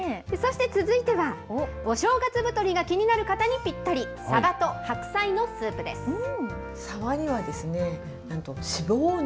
そして続いては、お正月太りが気になる方にぴったり、サバと白菜のスープです。